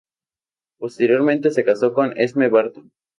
Posteriormente se casó con Esme Barton.